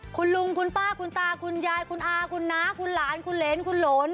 คุณลุงคุณป้าคุณตาคุณยายคุณอาคุณน้าคุณหลานคุณเหรนคุณหลน